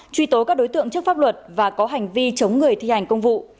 truy tố các đối tượng trước pháp luật và có hành vi chống người thi hành công vụ